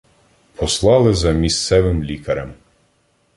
Послали за місцевим лікарем.